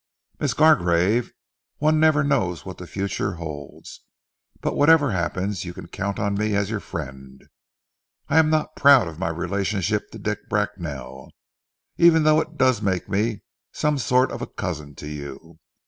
"Miss Gargrave, one never knows what the future holds but whatever happens you can count me as your friend. I am not proud of my relationship to Dick Bracknell, even though it does make me some sort of a cousin to you.